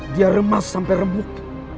dia remas sampai remuk